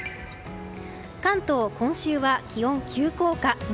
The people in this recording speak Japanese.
関東、今週は気温急降下。